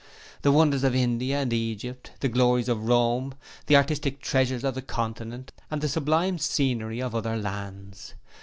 The wonders of India and Egypt, the glories of Rome, the artistic treasures of the continent and the sublime scenery of other lands.